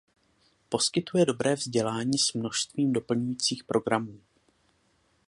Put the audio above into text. Poskytuje dobré vzdělání s množstvím doplňujících programů.